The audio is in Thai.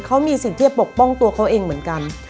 เขามีสิทธิ์ที่จะปกป้องตัวเขาเองเหมือนกัน